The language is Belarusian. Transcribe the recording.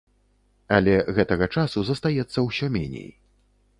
Але гэтага часу застаецца ўсё меней.